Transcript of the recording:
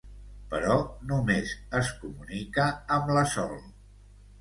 Però només es comunica amb la Sol.